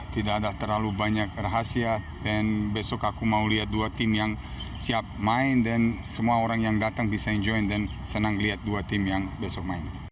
tidak ada terlalu banyak rahasia dan besok aku mau lihat dua tim yang siap main dan semua orang yang datang bisa enjoy dan senang lihat dua tim yang besok main